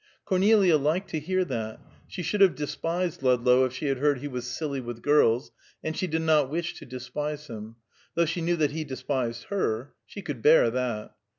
Cornelia liked to hear that. She should have despised Ludlow if she had heard he was silly with girls, and she did not wish to despise him, though she knew that he despised her; she could bear that.